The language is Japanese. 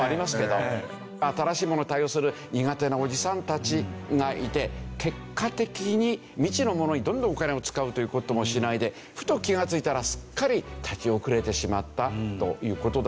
新しいものに対応する苦手なおじさんたちがいて結果的に未知のものにどんどんお金を使うという事もしないでふと気がついたらすっかり立ちおくれてしまったという事だろうと思うんですね。